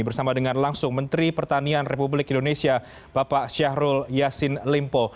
bersama dengan langsung menteri pertanian republik indonesia bapak syahrul yassin limpo